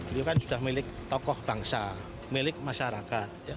beliau kan sudah milik tokoh bangsa milik masyarakat